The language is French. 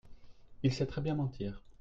il sait très bien mentir.